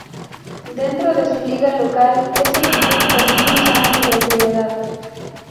Dentro de su liga local, es el club con menos años de antigüedad.